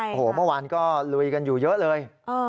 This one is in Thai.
โอ้โหเมื่อวานก็ลุยกันอยู่เยอะเลย